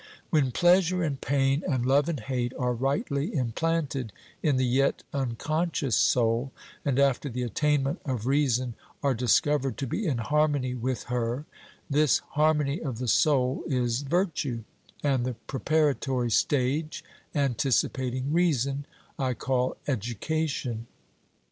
When pleasure and pain, and love and hate, are rightly implanted in the yet unconscious soul, and after the attainment of reason are discovered to be in harmony with her, this harmony of the soul is virtue, and the preparatory stage, anticipating reason, I call education.